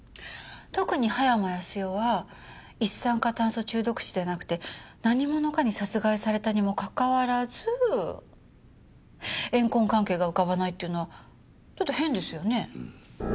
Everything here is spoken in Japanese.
特に葉山康代は一酸化炭素中毒死ではなくて何者かに殺害されたにもかかわらず怨恨関係が浮かばないっていうのはちょっと変ですよね？